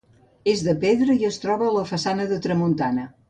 És de pedra i es troba a la façana de tramuntana.